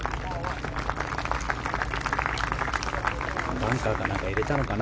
バンカーかなんかに入れたのかな。